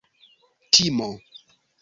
timo